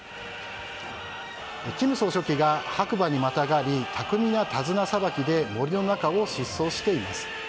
金総書記が白馬にまたがり巧みな手綱さばきで森の中を疾走しています。